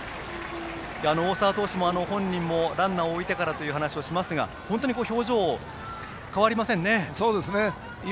大沢投手本人もランナーを置いてからと話をしますが本当に表情変わりませんね。